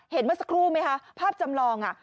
เมื่อสักครู่ไหมคะภาพจำลอง